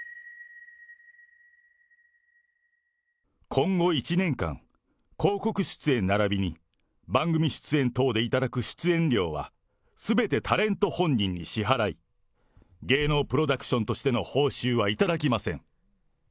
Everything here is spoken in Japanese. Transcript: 今後１年間、広告出演ならびに番組出演等で頂く出演料は、すべてタレント本人に支払い、芸能プロダクションとしての報酬は頂きません。